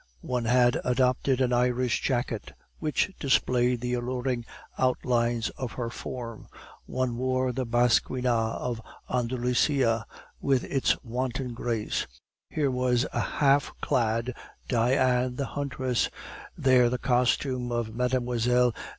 One had adopted an Irish jacket, which displayed the alluring outlines of her form; one wore the "basquina" of Andalusia, with its wanton grace; here was a half clad Dian the huntress, there the costume of Mlle.